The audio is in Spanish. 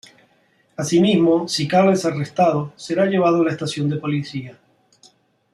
Asimismo, si Carl es arrestado, será llevado a la estación de policía.